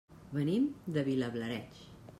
Venim de Vilablareix.